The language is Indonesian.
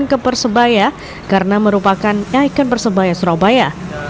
dan ke persebaya karena merupakan ikan persebaya surabaya